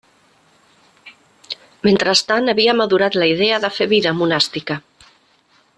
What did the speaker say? Mentrestant havia madurat la idea de fer vida monàstica.